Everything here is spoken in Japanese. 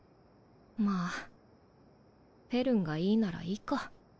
まぁフェルンがいいならいいか。